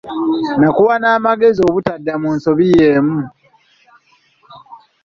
Nakuwa n’amagezi obutadda mu nsobi yeemu.